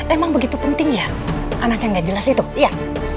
emang begitu penting ya anaknya gak jelas itu iya